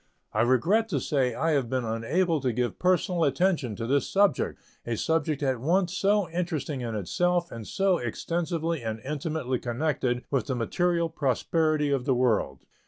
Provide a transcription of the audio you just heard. I regret to say I have been unable to give personal attention to this subject a subject at once so interesting in itself and so extensively and intimately connected with the material prosperity of the world.